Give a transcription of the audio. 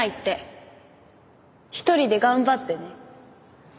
一人で頑張ってね。